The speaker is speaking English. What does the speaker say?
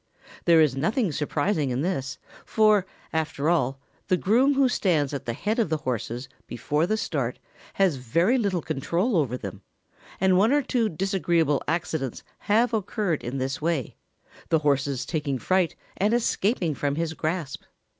There is nothing surprising in this, for, after all, the groom who stands at the head of the horses before the start has very little control over them, and one or two disagreeable accidents have occurred in this way, the horses taking fright and escaping from his grasp.